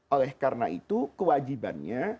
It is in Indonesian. oleh karena itu kewajibannya